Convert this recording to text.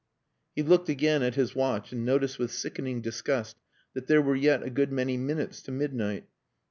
He looked again at his watch and noticed with sickening disgust that there were yet a good many minutes to midnight.